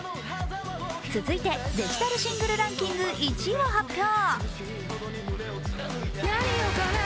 続いて、デジタルシングルランキング１位を発表。